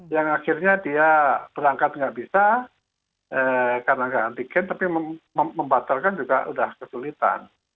yang akhirnya dia berangkat nggak bisa karena nggak antigen tapi membatalkan juga sudah kesulitan